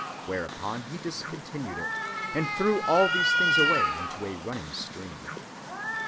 Whereupon he discontinued it, and threw all these things away into a running stream."